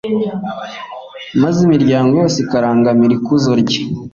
maze imiryango yose ikarangamira ikuzo rye